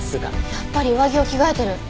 やっぱり上着を着替えてる。